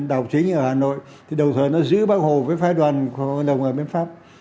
đảo chính ở hà nội thì đồng thời nó giữ bảo hộ với phái đoàn của ngân đồng ở bên pháp